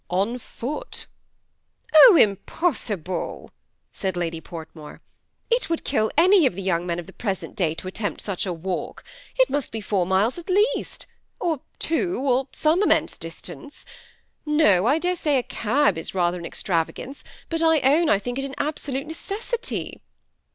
On foot" THE SEMI ATTACHED COUPLE. 169 "Oh, impossible," said Lady Portmore; "it would kill any of the young men of the present day to at tempt such a walk ; it must be four miles at least, or two, or some immense distance. No, I dare say a cab is rather an extravagance; but I own I think it an absolute necessity."